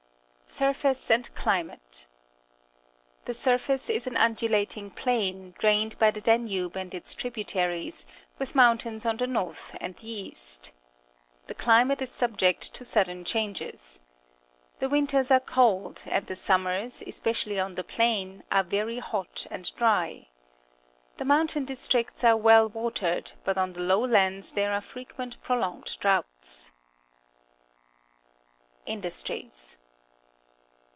Surface and Climate. — The surface is an undulating plain, drained by the Danube and its tributaries, with mountains on the north and the east. The climate is subject to sudden changes. The winters are cold, and the summers, especially on the plain, are verj'^ hot and dry. The mountain districts are CZECHO SLOVAKIA 189 well watered, but on the lowlands there are frequent prolonged droughts. Industries.